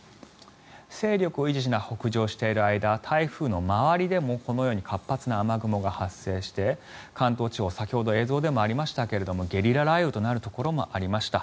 勢力を維持しながら北上している間台風の周りでもこのように活発な雨雲が発生して関東地方先ほど映像でもありましたがゲリラ雷雨となるところもありました。